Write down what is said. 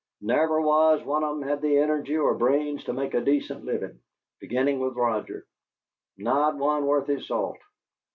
Never was one of 'em had the energy or brains to make a decent livin', beginning with Roger; not one worth his salt!